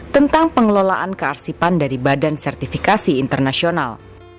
tentang pengelolaan kearsipan dari badan sertifikasi internasional